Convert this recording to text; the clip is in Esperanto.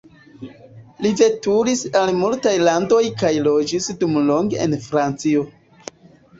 Li veturis al multaj landoj kaj loĝis dumlonge en Francio.